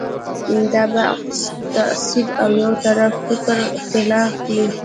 دا بغض، تعصب او یو طرفه فکري اختلاف دی.